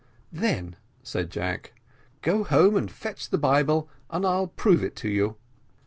"Then," said Jack, "go home and fetch the Bible, and I'll prove it to you."